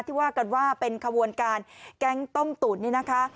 ว่ากันว่าเป็นขบวนการแก๊งต้มตุ๋นนี่นะคะ